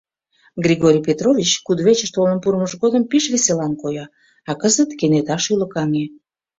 Григорий Петрович кудывечыш толын пурымыж годым пеш веселан койо, а кызыт кенета шӱлыкаҥе.